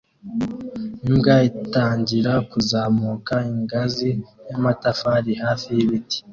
Imbwa itangira kuzamuka ingazi y'amatafari hafi y'ibiti